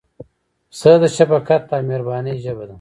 پسه د شفقت او مهربانۍ ژبه ده.